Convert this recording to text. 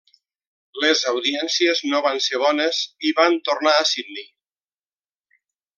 Les audiències no van ser bones i van tornar a Sydney.